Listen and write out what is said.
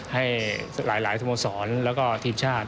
ให้หลายสโมสรแล้วก็ทีมชาติ